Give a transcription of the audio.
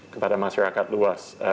kepada masyarakat luas